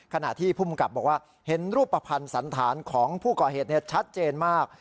ขณะที่ภูมิกับบอกว่าเห็นรูปภัณฑ์สันธารของผู้ก่อเหตุชัดเจนมาก